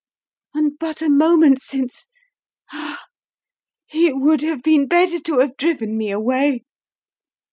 And but a moment since Ah! it would have been better to have driven me away.